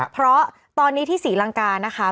เพราะตอนนี้ที่ศรีลังกานะคะ